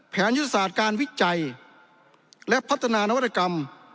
ยุทธศาสตร์การวิจัยและพัฒนานวัตกรรม